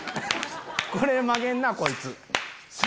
これ曲げんなこいつ。